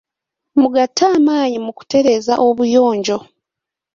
Mugatte amaanyi mu kutereeza obuyonjo.